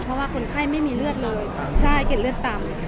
เพราะว่าคนไข้ไม่มีเลือดเลยใช่เก็ดเลือดต่ำ